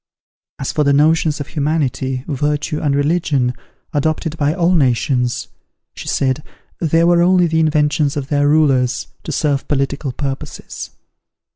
As for the notions of humanity, virtue and religion, adopted by all nations, she said, they were only the inventions of their rulers, to serve political purposes.